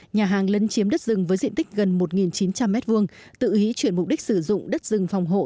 nhà hàng lấn chiếm đất rừng với diện tích gần một chín trăm linh m hai tự ý chuyển mục đích sử dụng đất rừng phòng hộ